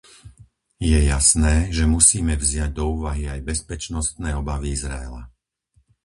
Je jasné, že musíme vziať do úvahy aj bezpečnostné obavy Izraela.